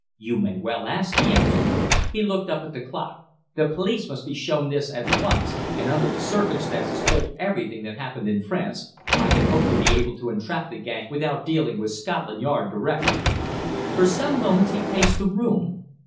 "You may well ask," he answered. He looked up at the clock. "The police must be shown this at once, and, under the circumstances, told everything that happened in France. I had hoped to be able to entrap the gang without dealing with Scotland Yard direct." For some moments he paced the room.